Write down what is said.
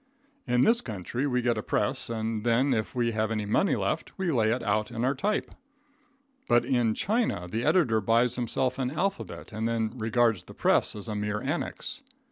In this country we get a press, and then, if we have any money left, we lay it out in type; but in China the editor buys himself an alphabet and then regards the press as a mere annex.